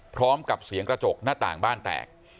พร้อมกับเสียงกระจกหน้าต่างบ้านแตก